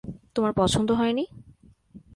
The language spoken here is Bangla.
তোমার পছন্দ হয়নি?